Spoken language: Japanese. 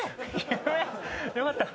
よかった。